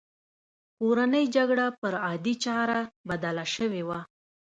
کورنۍ جګړه پر عادي چاره بدله شوې وه